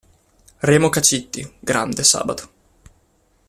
Remo Cacitti,"Grande Sabato.